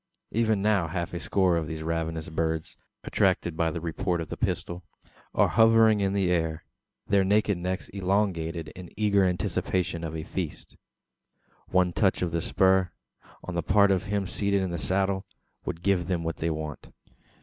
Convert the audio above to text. Even now half a score of these ravenous birds, attracted by the report of the pistol, are hovering in the air their naked necks elongated in eager anticipation of a feast! One touch of the spur, on the part of him seated in the saddle, would give them what they want.